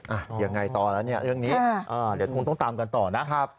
อ่ะยังไงต่อแล้วเนี่ยเรื่องนี้เดี๋ยวคงต้องตามกันต่อนะครับ